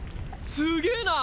すげぇな。